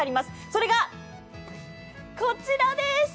それがこちらです。